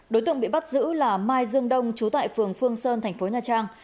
đối tượng bị bắt giữ là mai dương đông chú tại phường phương sơn thành phố nha trang